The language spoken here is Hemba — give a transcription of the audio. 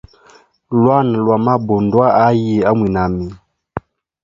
Lwana lwa mabo ndwa ayi a mwinami?